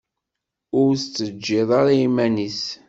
Ur t-ǧǧiɣ ara iman-is.